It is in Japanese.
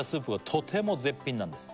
「とても絶品なんです」